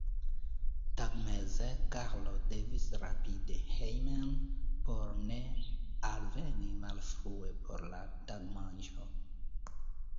Tagmeze Karlo devis rapidi hejmen por ne alveni malfrue por la tagmanĝo.